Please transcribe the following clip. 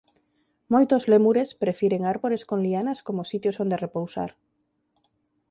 Moitos lémures prefiren árbores con lianas como sitios onde repousar.